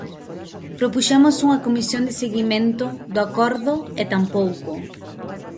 Propuxemos unha comisión de seguimento do acordo e tampouco.